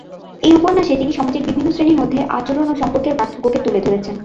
এই উপন্যাসে তিনি সমাজের বিভিন্ন শ্রেণীর মধ্যে আচরণ ও সম্পর্কের পার্থক্যকে তুলে ধরেছেন।